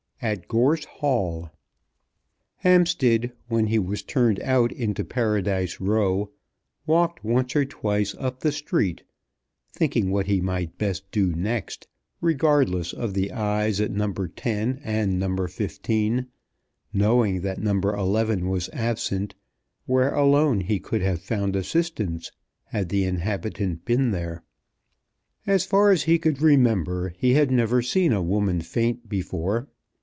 AT GORSE HALL. Hampstead, when he was turned out into Paradise Row, walked once or twice up the street, thinking what he might best do next, regardless of the eyes at No. 10 and No. 15; knowing that No. 11 was absent, where alone he could have found assistance had the inhabitant been there. As far as he could remember he had never seen a woman faint before.